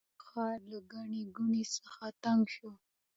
هغه د ښار له ګڼې ګوڼې څخه تنګ شو.